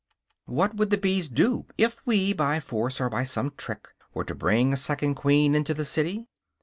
What would the bees do, if we, by force or by some trick, were to bring a second queen into the city?